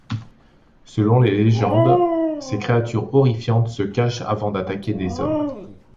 Selon les légendes, ces créatures horrifiantes se cachent avant d'attaquer des hommes.